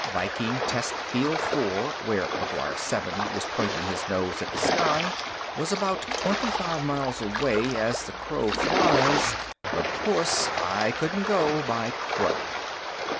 Viking Test Field Four, where McGuire 7 was pointing his nose at the sky, was about twenty five miles away, as the crow flies. But of course I couldn't go by crow.